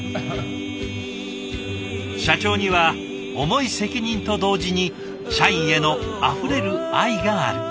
社長には重い責任と同時に社員へのあふれる愛がある。